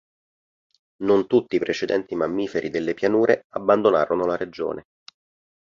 Non tutti i precedenti mammiferi delle pianure abbandonarono la regione.